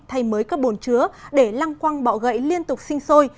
thay mới các bồn chứa để lăng quăng bọ gậy liên tục sinh sôi